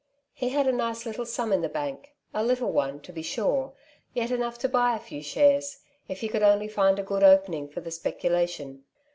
He had a nice little sum in the bank — a little one, to be sure, yet enough to buy a few shares, if he could only find a good opening for the speculation.